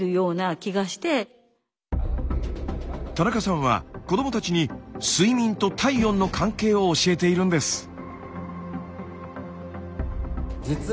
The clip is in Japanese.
田中さんは子どもたちに睡眠と体温の関係を教えているんです。